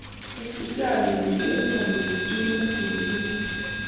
hospitalini kolipeni ministry nebo tillindo